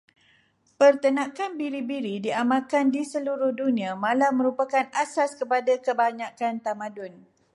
Penternakan biri-biri diamalkan di seluruh dunia, malah merupakan asas kepada banyak tamadun.